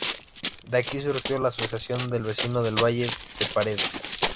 De aquí surgió la Asociación de Vecinos del Valle de Paredes.